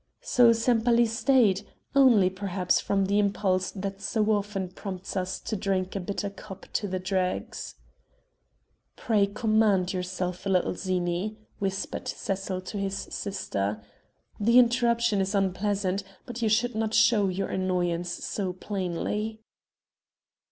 So Sempaly stayed; only, perhaps, from the impulse that so often prompts us to drink a bitter cup to the dregs. "Pray command yourself a little, Zini," whispered Cecil to his sister. "The interruption is unpleasant; but you should not show your annoyance so plainly."